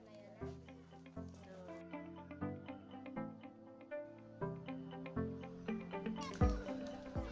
pondok pesantren ibn al mubarok